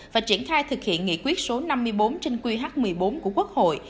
và triển khai thực hiện nghị quyết số năm mươi bốn trên qh một mươi bốn của quốc hội